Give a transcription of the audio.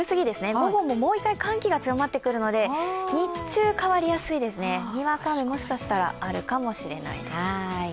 午後、もう一回寒気が強まってくるので日中変わりやすいですね、にわか雨、もしかしたらあるかもしれないです。